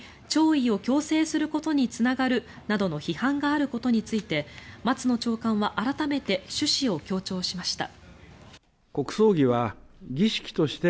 弔意を強制することにつながるなどの批判があることについて松野長官は改めて趣旨を強調しました。